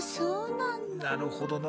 なるほどな。